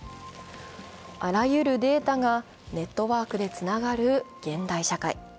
あらゆるデータがネットワークでつながる現代社会。